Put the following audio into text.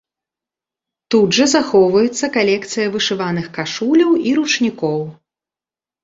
Тут жа захоўваецца калекцыя вышываных кашуляў і ручнікоў.